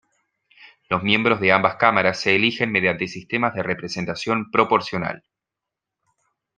Los miembros de ambas cámaras se eligen mediante sistemas de representación proporcional.